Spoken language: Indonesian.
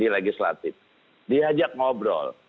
legislatif diajak ngobrol